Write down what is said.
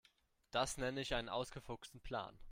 Das nenne ich einen ausgefuchsten Plan.